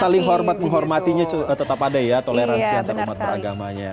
saling hormat menghormatinya tetap ada ya toleransi antarumat beragamanya